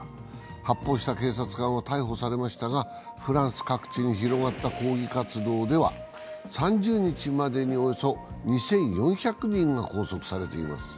発砲した警察官は逮捕されましたが、フランス各地に広がった抗議活動では３０日までにおよそ２４００人が拘束されています。